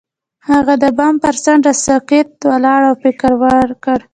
هغه د بام پر څنډه ساکت ولاړ او فکر وکړ.